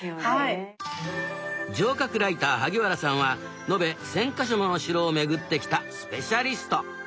城郭ライター萩原さんは延べ１，０００か所のお城をめぐってきたスペシャリスト。